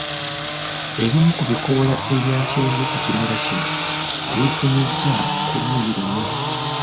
Ebimu ku bikoola ebya kyenvu ku kimera kino byefunyizza ku luuyi lumu.